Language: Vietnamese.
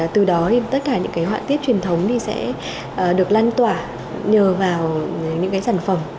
từ đó tất cả những họa tiết truyền thống sẽ được lan tỏa nhờ vào những sản phẩm